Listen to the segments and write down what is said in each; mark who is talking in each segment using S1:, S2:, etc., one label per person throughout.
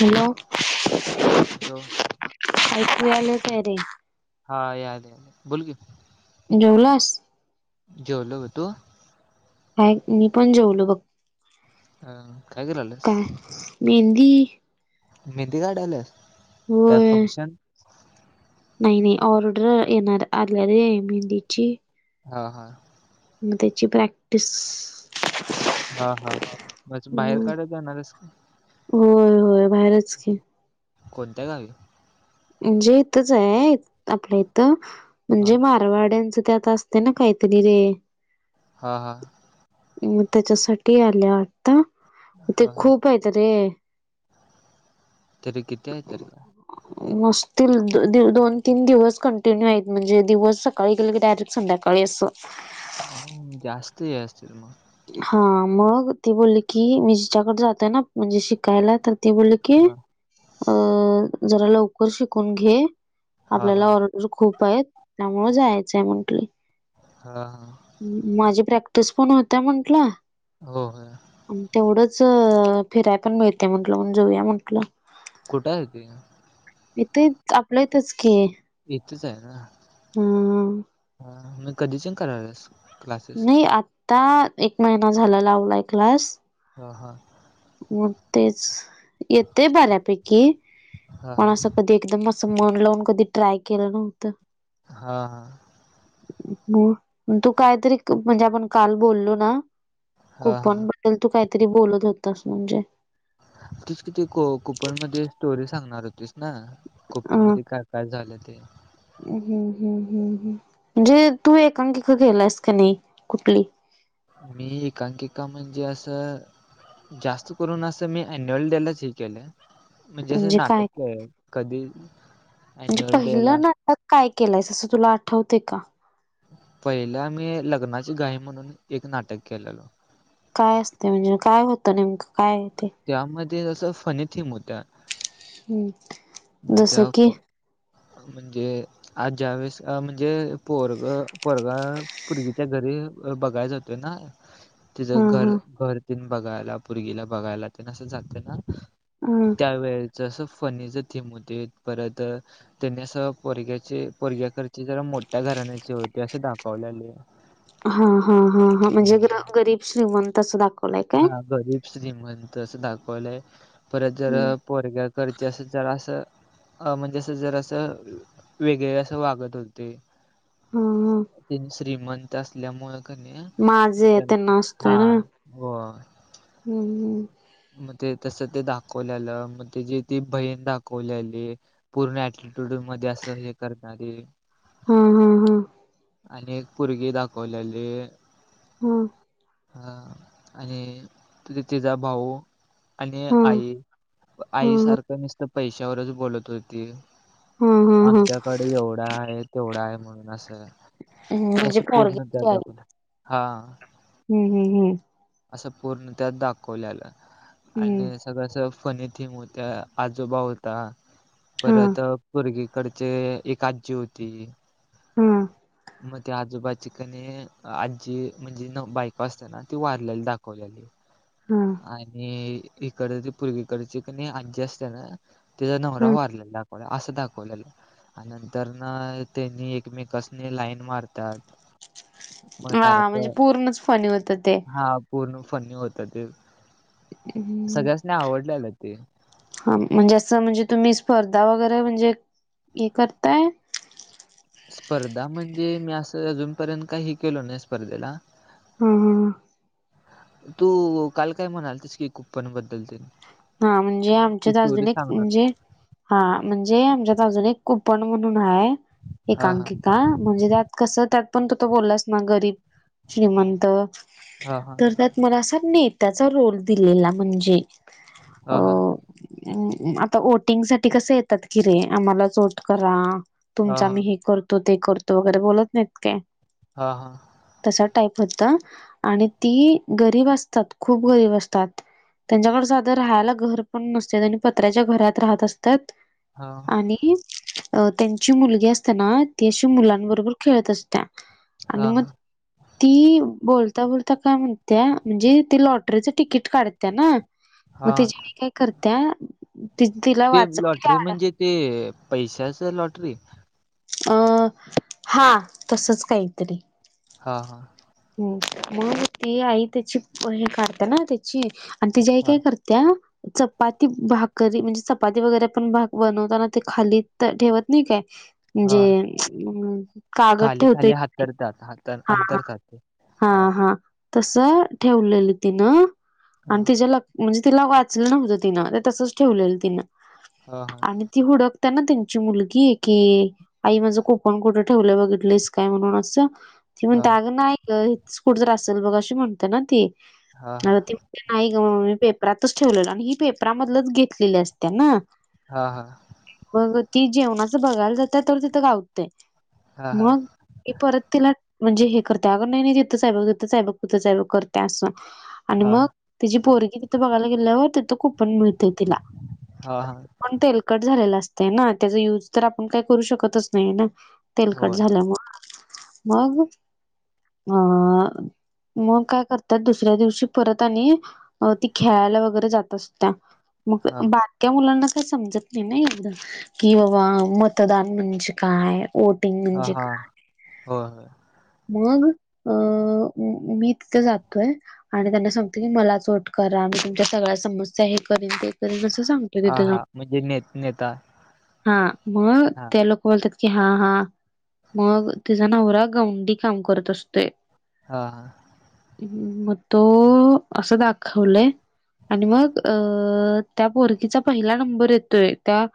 S1: Hello.
S2: Hello.
S1: ऐकू यायलं काय रे?
S2: हा यायलं यायलं, बोल की.
S1: जेवलास?
S2: जेवलो गं, तू?
S1: हा, मी पण जेवलो बघ.
S2: हा.
S1: काय? मेहंदी
S2: मेहंदी काढायल्यास? काय
S1: होय
S2: फंक्शन?
S1: नाही.. नाही, ऑर्डर येणार आल्या रे मेहंदीची.
S2: हा.. हा.
S1: हं, त्याची प्रॅक्टिस
S2: हा.. हा, मच बाहेर
S1: हम्म,
S2: काढायला जाणार आहेस का?
S1: होय.. होय. बाहेरच की.
S2: कोणत्या गावी?
S1: म्हणजे इथंच आहे, आपल्या इथं.
S2: हा
S1: म्हणजे मा रवाड्यांचं, त्यात असते ना काहीतरी रे?
S2: हा.. हा.
S1: आणि मग त्याच्यासाठी आल्या त, ते
S2: हा हा
S1: खूप आहेत रे!
S2: तरी किती आहे तरी काय
S1: नसतील, द-दी-दोन-तीन दिवस कंटिन्यू आहेत. म्हणजे दिवस सकाळी गेले की, डायरेक्ट संध्याकाळी असं.
S2: हम्म्, जास्त हे असतील मग?
S1: हा, मग ती बोलली की, मी जिच्याकडं जातोय ना म्हणजे शिकायला? तर ती बोलले की,
S2: हा
S1: अं.. जरा लवकर शिकून घे.
S2: हा
S1: आपल्याला
S2: हा
S1: ऑर्डर खूप आहेत, त्यामुळं जायचंय म्हंटली.
S2: हा हा
S1: माझी प्रॅक्टिस पण होतीया म्हंटलं.
S2: हो.. हो.
S1: अन तेवढंच फिराय पण मिळते, म्हंटलं म्हणून जाऊया म्हंटलं.
S2: कुठं आहे ते?
S1: इथेच, आपलं इथंच की.
S2: इथंच आहे ना?
S1: हां.
S2: हा, मग कधीच्यान करायल्यास? क्लासेस
S1: नाही, आता एक महिना झाला लावलाय क्लास.
S2: हं.. हा.
S1: मग तेच, येतंय बऱ्यापैकी
S2: हा
S1: पण
S2: हा
S1: असं कधी एकदम असं मन लावून कधी ट्राय केलं नव्हतं.
S2: हा हा
S1: ह तू कायतरी म्हणजे आपण काल बोलो ना
S2: हा हा
S1: कूपण बद्दल तू काहीतरी बोलत होतस म्हणजे
S2: तिच कि ती कुपन मध्ये एक स्टोरी सांगणार होती. स ना कुपणमध्ये काय काय झालं ते.
S1: हम हम हम म्हणजे तू एकांकिक केलास काय नाही कुठली?
S2: मी एकांकिका म्हणजे असं जास्त करून असं मी ॲन्युअल डेलाच हे केलं आहे. म्हणजे असं नाटक केलय. कधी?
S1: म्हणजे
S2: अन्युअल डे ला
S1: पहिलं नाटक काय केलंयस असं तुला आठवतय का?
S2: पहिला मी लग्नाची घाई म्हणून एक नाटक केलेलो.
S1: काय असतंय म्हणजे काय होतं नेमकं काय आहे ते?
S2: त्यामध्ये असं फनी थीम होत्
S1: हम्म.
S2: म त्या म्हणजे? आज ज्या वेळेस म्हणजे पोरगं पोरगा पोरगीच्या घरी बघाय जातोय ना.
S1: [inaudible]
S2: तिच घर
S1: हां
S2: घर तन बघायला पोरीला बघायला तेन असं जातात ना.
S1: हम.
S2: त्यावेळच अस फनीच थीम होतीत. परत त्यांनी अस पोरग्याची पोरग्याकडची जरा मोठ्या घराण्याचे होतीत असे दाखवलेल.
S1: हा हा हा हा म्हणजे गरीब श्रीमंत अस दाखव
S2: हा. गरीब, श्रीमंत असं दाखवलंय. परत जर
S1: हं
S2: पोरग्या कडची असं जरासं अ म्हणजे असं जरा असं वेगळे असं वागत होतीत.
S1: ह ह
S2: त्यांनी श्रीमंत असल्यामुळे क नई
S1: माझे त्यांना
S2: हा.
S1: असतोय ना
S2: होय.
S1: हं हं
S2: मग ते तसं ते दाखवलेल. मग त्याची ती बहीण दाखवलेली. पूर्ण एटीट्यूडट मध्ये असं हे करणारी
S1: हम्म हम्म हम.
S2: आणि एक पोरगी दाखवलेली.
S1: हम.
S2: हा. आणि ती तिचा भाऊ. आणि
S1: हा
S2: आई
S1: हा
S2: आई सारखं नुसत पैशावरच बोलत होती.
S1: हम. हम.
S2: आमच्याकडं एवढा आहे तेवढा हाय म्हणून असं.
S1: हम्म म्हणजे
S2: असं पूर्ण त्यात
S1: पोरग्याची
S2: दाखवलेलं. हा.
S1: हम् हम् हम्.
S2: असं पूर्ण त्या दाखवलेलं.
S1: हम्म
S2: आणि सगळं असं फनी थीम होत्या. आजोबा होता.
S1: हम्म
S2: परत पुरगी कडचे एक आजी होती.
S1: हम्म.
S2: मग त्या आजोबाची कनी आजी म्हणजे नवं बायको असता ना हे तु वारलेली दाखवलेली.
S1: हा.
S2: आणि इकड ते पोर्गीकडची कणी आजी असतेना तीचा नवरा
S1: हा.
S2: वारलेला. मग असं दाखवलेलं. आणि नंतर न त्यांनी एकमेकासनी लाईन मारतात. मग
S1: हा म्हणजे
S2: सारखं
S1: पूर्णच फनी होत ते.
S2: हा पूर्ण फनी होत ते
S1: हम्म.
S2: सगळ्यासनी आवडल ग ते.
S1: हा म्हणजे असं म्हणजे तुम्ही स्पर्धा वगैरे म्हणजे हे करताय?
S2: स्पर्धा म्हणजे मी असं अजूनपर्यंत काही केलो नाही स्पर्धेला.
S1: हा हा.
S2: तू काल काय म्हणाल तस की कूपन बद्दल ते?
S1: हा म्हणजे
S2: ती
S1: आमच्यात
S2: स्टोरी
S1: अजुन एक
S2: सांगणार
S1: म्हणजे हा म्हणजे आमच्यात अजून एक कुपण म्हणून आहे
S2: हा
S1: अंकिता म्हणजे त्यात कस त्यात पण तू त बोललास ना गरीब श्रीमंत
S2: हा हा
S1: तर त्यात मला असा नेत्याचा रोल दिलेला म्हणजे.
S2: ह हा.
S1: हम्म, आता वोटिंग साठी कसं येतात कि रे आम्हाला ओट करा
S2: हा
S1: तुमचं मी
S2: हा
S1: हे करतो ते करतो वगैरे बोलत नाहीत काय.
S2: हा हा.
S1: तसा टाईप होत आणि ती गरीब असतात खूप गरीब असतात. त्यांच्याकडे साधं राहायला घर पण नसत आणि पत्र्याच्या घरात राहत असतात.
S2: हा.
S1: आणि त्यांची मुलगी असतेना ती अशी मुलांबरोबर खेळत असतेया आणि
S2: हा
S1: मग ती बोलता, बोलता काय म्हणते, म्हणजे ती लॉटरीचं तिकीट काढते ना मग
S2: हा
S1: ति जेली काय करत्या तिला
S2: ते
S1: वाचायला
S2: लॉटरी
S1: आड [unintelligible]
S2: म्हणजे ते पैशाच लॉटरी हाय का?
S1: अ हा तसच काही तरी.
S2: हा हा.
S1: हो मग ती आई त्याची वही काढते ना त्याची आणि त्याची आई
S2: हा
S1: काय करते त्या चपाती भाकरी म्हणजे चपाती वगैरे पण बनवताना ते खाली ठेवत नाही काय?
S2: हा
S1: म्हणजे कागद
S2: खाली
S1: ठेवतोय
S2: खाली
S1: की,
S2: हातरतात हात
S1: हा..
S2: अंतरतात ते
S1: हा हा तस ठेवलेलं तिनं
S2: हा
S1: आणि तिच्या ल म्हणजे तिला वाचलं नव्हतं तिनं ते तसंच ठेवलेलं तिनं.
S2: हा हा.
S1: ते हुडकताना त्यांची मुलगी आहे की आई माझं कुपण कुठं ठेवलं बघितलेस काय म्हणून असं. ती
S2: हा
S1: म्हणते अगं नाही ग हितच कुठ तरी असेल बघ अशी म्हणतेना ती
S2: हा हा
S1: आता ती नाही ग मम्मी मी पेपरातच ठेवलेलं आणि ही पेपरामधलच घेतलेली असते ना.
S2: हा हा.
S1: बग ती जेवणाच बघायला जाते तर तिथं गावते
S2: हा
S1: मग ते परत तिला म्हणजे हे करते अगं नाही, नाही तिथं बग तिथं आहेब तिथं साबग करते असं. आणि
S2: हा
S1: मग तिची पोरगी तिथ बघायला गेल्यावर तिथं कुपन मिळतय तिला.
S2: हा हा
S1: पण तेलकट झालेलं असतंय ना त्याचा युज तर आपण काय करू शकतच नाय ना. तेलकट
S2: होय
S1: झाल्या मूळ मग अ मग काय करतात दुसऱ्या दिवशी परत आणि अ ती खेळायला वगैरे जात असत्या मग
S2: हा
S1: बा क्या मुलांना का समजत नाय ना एवढ कि बाबा मतदान म्हणजे काय
S2: हा
S1: म्हणजे
S2: हा
S1: काय
S2: होय होय.
S1: मग अ मी तिथं जातोय. आणि त्यांना सांगते की मलाच वोट करा मी तुमच्या सगळ्या समस्या हे करीन ते अस सांगतोय
S2: हा
S1: तिथ जाऊन.
S2: हा म्हणजे ने नेता
S1: हा मग
S2: हा
S1: त्या लोक बोलत्यात की हा हा मग तिजा नवरा गौंडी काम करत असतोय.
S2: हा हा.
S1: म तो असं दाखवलंय आणि मग अ अ त्या पोरगीचा पहिला नंबर येतोय त्या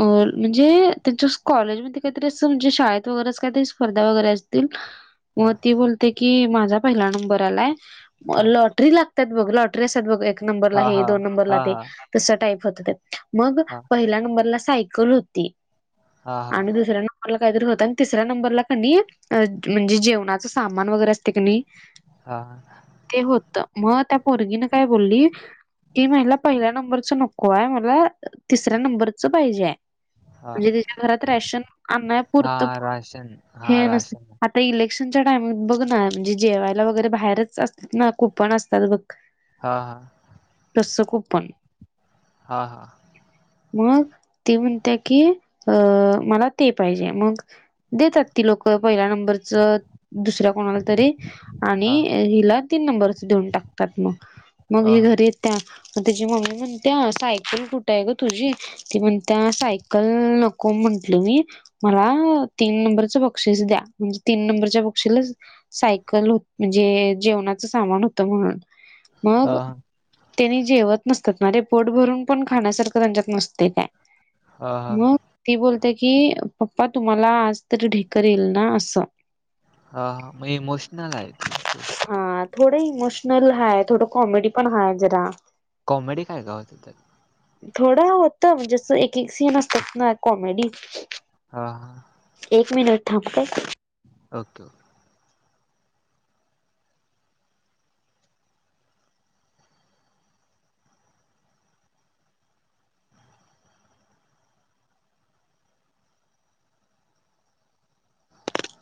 S1: अ म्हणजे त्यांच्या कॉलेजमध्ये कायतरी असं म्हणजे शाळेत वगैरेच कायतरी स्पर्धा वगैरे असतील.
S2: हा
S1: मग ती बोलते की माझा पहिला नंबर आलाय. म
S2: हा
S1: लॉटरी लागत्यात बघ लॉट ट्रेसाद बघ एक नंरला
S2: हा
S1: हे
S2: हा
S1: दोन नंबरला
S2: हा
S1: ते तसा टाईप होत त्यात. मग पहिल्या नंबरला सायकल होती
S2: हा
S1: आणि दुसऱ्या नं बरला कायतरी होत तिसऱ्या नंबरला क नी म्हणजे जेवणाच सामान वगैरे असते क नी
S2: हा.
S1: ते होत. मग त्या पोरगीन काय बोलली कि महिला पहिल्या नंबरच नको आय मला तिसऱ्या नंबरच पाहिजे आय.
S2: हा
S1: म्हणजे तिच्या घरात रॅशन आणाय पूरत
S2: हा राशन हा राशन.
S1: आता इलेक्शनच्या टाइम बघ ना म्हणजे जेवायला वगैरे बाहेरच असतात ना कुपण असतात बघ. [inaudible]
S2: हा.
S1: तस कुपन.
S2: हा हा.
S1: मग ते म्हणत्या की अ मला ते पाहिजे मग देतात ती लोक पहिल्या नंबरच दुसऱ्या कोणाला तरी आणि
S2: हा
S1: हिला तीन नंबर देऊन टाकतात मग मग. घरी त्या म त्याची मम्मी म्हणत्या सायकल कुठाय ग तुझी. ती म्हणत्या सायकल नको म्हंटल मी. मला तीन नंबरच बक्षीस द्या. म्हणजे तीन नंबरच्या बक्षीला सायकल म्हणजे जेवणाच सामान होतं म्हणून.
S2: हा
S1: मग त्यांनी जेवत नसत्यात ना पोट भरून पण खाण्यासारखं त्यांच्यात नसतंय काय.
S2: हा हा
S1: मग ती बोलते की पप्पा तुम्हाला आज तरी ढेकर येईल ना असं.
S2: हा म इमोशनल आय ते.
S1: हा थोडं इमोशनल हाय थोडं कॉमेडी पण हाय जरा.
S2: कॉमेडी काय काय होत त्यात?
S1: थोडं होतं म्हणजे असं एक एक सीन असतात ना कॉमेडी.
S2: हा हा.
S1: एक मिनट थांब काय.
S2: ओके.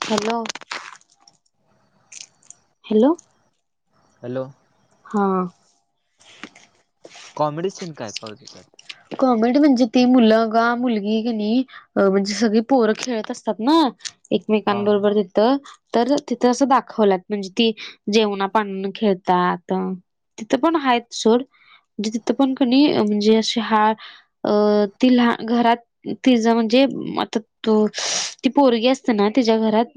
S1: हॅलो! हॅलो!
S2: [inaudible] हॅलो!
S1: हा.
S2: [inaudible] कॉमेडी सीन काय कळत त्यात?
S1: कॉमेडी म्हणजे ती मुलंगा-मुलगी क नाही. अ म्हणजे सगळी पोरं खेळत असतात ना
S2: हा
S1: एकमेकांबरोबर जि थ तर तिथे असं दाखवलात म्हणजे ती जेवणा पाणून खेळतात. तिथं पण हायेत सोड, जिथ पण कनी म्हणजे अस हा अ ति लहा घरात तिज म्हणजे आता तु ती पोरगी असते ना तिच्या घरात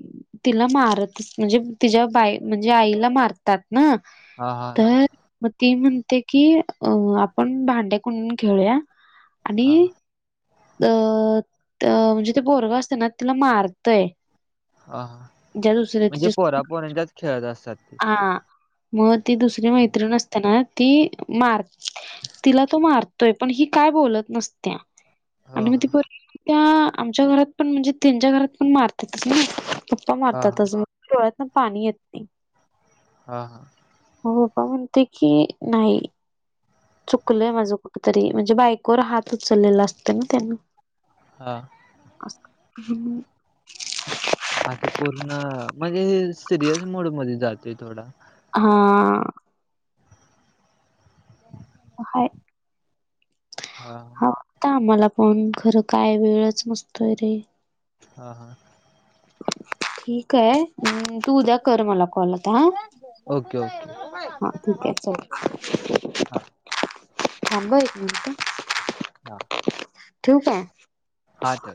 S1: तिला मारत म्हणजे तिच्या बा म्हणजे आईला मार तात ना,
S2: हा हा
S1: तर मग ती म्हणते की अ आपण भांडे्या को खेळुया आणि
S2: हा
S1: अ त म्हणजे ते पोरगं असते ना तिला मारतय.
S2: अ हा
S1: ज्या दुसऱ्या
S2: म्हणजे
S1: तिच्या
S2: पोरा-पोरांतच खेळत असतात ते.
S1: हा मग ती दुसरी मैत्रीण असताना ती मार तिला तो मार तोय पण ही काय बोलत नसत्या
S2: हा
S1: आणि म ती
S2: हा
S1: पोरगी त्या आमच्या घरात पण म्हणजे त्यांच्या घरात पण मारतातच ना पप्पा
S2: हा
S1: मारतातच मग. डोळ्यात ना पाणी येत नाही.
S2: [inaudible] हा हां.
S1: मग पप्पा म्हणते की नाही [inaudible] चुकलय माझं तरी म्हणजे बायकोवर हात उचललेला असत ना त्यांनी.
S2: हां. [inaudible] आ ते पूर्ण म्हणजे हे सिरियस मोड मध्ये जाते थोडा.
S1: हां. हो हाय. [inaudible]
S2: हां.
S1: ता आम्हाला पण खरं काय वेळच नसतोय रे.
S2: हां हा. [inaudible]
S1: ठीक हाय म तू उद्या कर मला कॉल आता हां.
S2: बर. Okay okay. [unintelligible]
S1: हा ठीक आहे चल.
S2: हा
S1: थांब ह एक मिनिट,
S2: हा
S1: [inaudible] ठेवू काय?
S2: हा ठेव
S1: [inaudible]